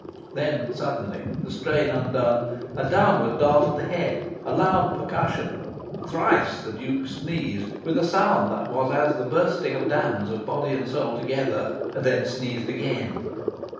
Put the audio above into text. Then, suddenly, the strain undone: a downward dart of the head, a loud percussion. Thrice the Duke sneezed, with a sound that was as the bursting of the dams of body and soul together; then sneezed again.